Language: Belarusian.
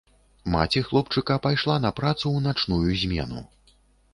Маці хлопчыка пайшла на працу ў начную змену.